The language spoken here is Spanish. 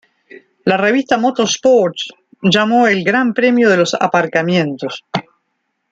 La revista Motorsport llamó "El Gran Premio de los Aparcamientos".